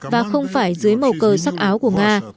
và không phải là một vận động viên nga